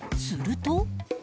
すると